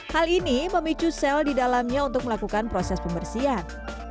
hal ini memicu sel di dalamnya untuk melakukan proses pembersihan